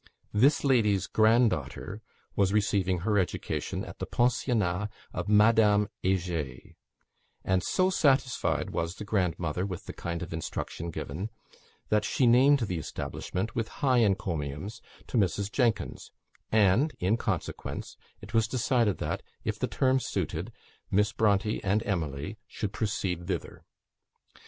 This lady's granddaughter was receiving her education at the pensionnat of Madame Heger; and so satisfied was the grandmother with the kind of instruction given, that she named the establishment, with high encomiums, to Mrs. Jerkins; and, in consequence, it was decided that, if the terms suited, Miss Bronte and Emily should proceed thither.